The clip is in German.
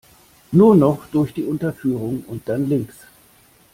Nur noch durch die Unterführung und dann links.